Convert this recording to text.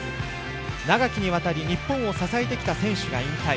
長きにわたり日本を支えてきた選手が引退。